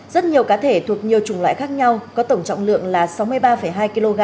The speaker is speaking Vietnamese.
rất nhiều cá thể thuộc nhiều chủng loại khác nhau có tổng trọng lượng là sáu mươi ba hai kg